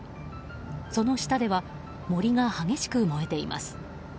その下では森が激しく燃えています。